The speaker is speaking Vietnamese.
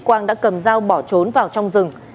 quang đã cầm dao bỏ trốn vào trong rừng